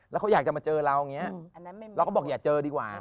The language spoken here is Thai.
แล้วเขาอยากจะมาเจอเราอย่างนี้เราก็บอกอย่าเจอดีกว่า